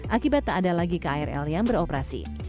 akibat tak ada lagi krl yang beroperasi